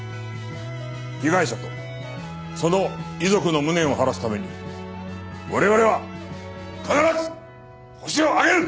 被害者とその遺族の無念を晴らすために我々は必ずホシを挙げる！